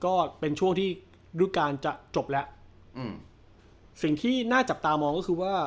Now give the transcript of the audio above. ก็เป็นช่วงที่ดูการจะจบแล้วอืมสิ่งที่น่าจับตามองก็คือว่า